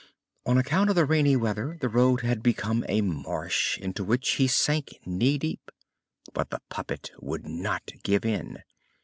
On account of the rainy weather the road had become a marsh into which he sank knee deep. But the puppet would not give in.